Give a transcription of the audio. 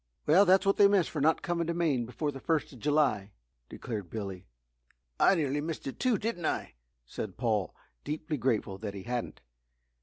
"Well that's what they miss for not coming to Maine before the first of July," declared Billy. "I nearly missed it too, didn't I?" said Paul, deeply grateful that he hadn't.